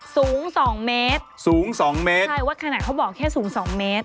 สูงสองเมตรสูงสองเมตรใช่ว่าขนาดเขาบอกแค่สูงสองเมตร